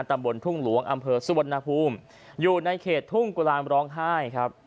ตำบลทุ่งหลวงอำเภอสุวรรณภูมิอยู่ในเขตทุ่งกุลามร้องไห้ครับ